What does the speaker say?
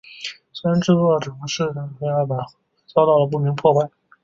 虽然制作了关于这件事的说明的介绍板但后来遭到了不明破坏。